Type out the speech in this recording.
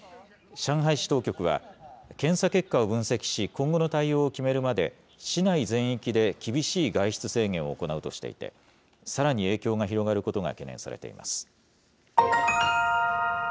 上海市当局は、検査結果を分析し、今後の対応を決めるまで、市内全域で厳しい外出制限を行うとしていて、さらに影響が広がることが懸念されています。